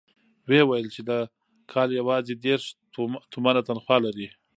ويې ويل چې د کال يواځې دېرش تومنه تنخوا لري.